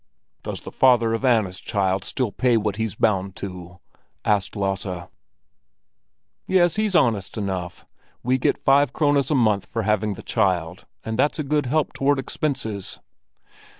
"Does the father of Anna's child still pay what he's bound to?" asked Lasse. "Yes, he's honest enough! We get five krones a month for having the child, and that's a good help toward expenses."